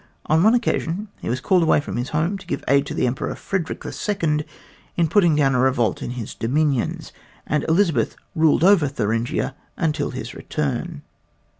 On one occasion he was called away from home to give aid to the Emperor Frederick the Second in putting down a revolt in his dominions; and Elizabeth ruled over Thuringia until his return.